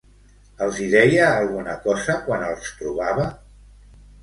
Els hi deia alguna cosa quan els trobava?